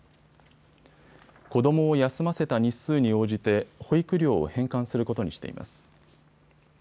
子どもを休ませた日数に応じて保育料を返還することにしています。